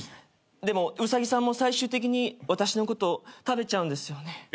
でも兎さんも最終的に私のこと食べちゃうんですよね？